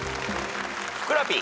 ふくらＰ。